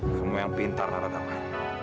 kamu yang pintar narasama